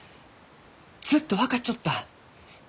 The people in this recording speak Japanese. ずっと分かっちょった！